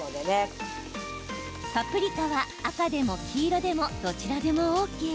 パプリカは赤でも黄色でも、どちらでもＯＫ。